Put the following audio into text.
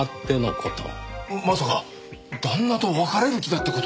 まさか旦那と別れる気だって事か？